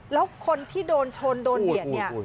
แล้วคนที่โดนชนโดนเบียดเนี่ย